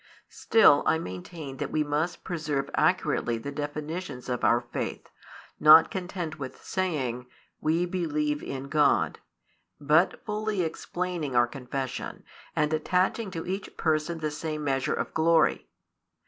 Still, I maintain that we must preserve accurately the definitions of our faith, not content with saying "We believe in God," but fully explaining our confession, and attaching to each Person the same measure of glory.